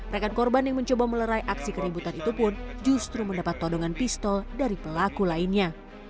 rekan korban yang mencoba melerai aksi keributan itu pun justru mendapat todongan pistol dari pelaku lainnya